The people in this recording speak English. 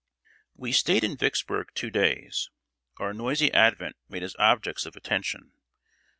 ] We stayed in Vicksburg two days. Our noisy advent made us objects of attention.